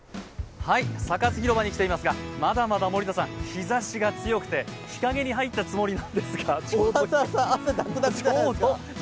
サカス広場に来ていますがまだまだ日ざしが強くて日陰に入ったつもりなんですが小笠原さん、汗だくだくじゃないですか。